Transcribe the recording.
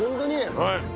はい。